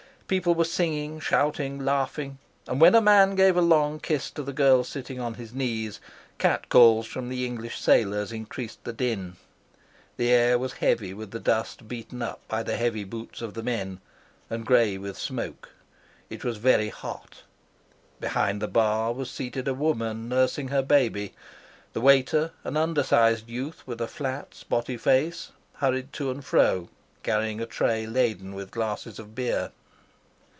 People were singing, shouting, laughing; and when a man gave a long kiss to the girl sitting on his knees, cat calls from the English sailors increased the din. The air was heavy with the dust beaten up by the heavy boots of the men, and gray with smoke. It was very hot. Behind the bar was seated a woman nursing her baby. The waiter, an undersized youth with a flat, spotty face, hurried to and fro carrying a tray laden with glasses of beer.